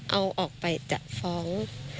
เอาออกไปจะฟ้อง